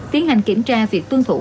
tiến hành kiểm tra việc tuân thủ